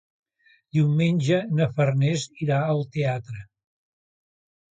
Diumenge na Farners irà al teatre.